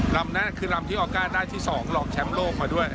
ลำนั้นคือลำที่ออก้าได้ที่๒รองแชมป์โลกมาด้วย